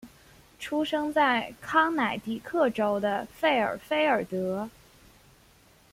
出生在康乃狄克州的费尔菲尔德。